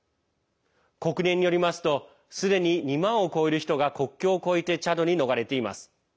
国連によりますとすでに２万を超える人が国境を越えてチャドに逃れています。